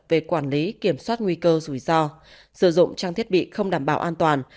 về quản lý kiểm soát nguy cơ rủi ro sử dụng trang thiết bị không đảm bảo an toàn